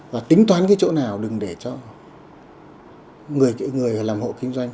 và tính toán cái chỗ nào đừng để cho người làm hộ kinh doanh